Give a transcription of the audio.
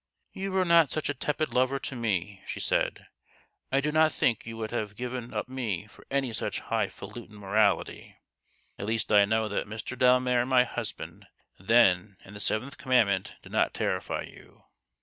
" You were not such a tepid lover to me," she said. "I do not think you would have given up me for any such high falutin morality ! At least I know that Mr. Delmare my husband then and the seventh commandment did not terrify you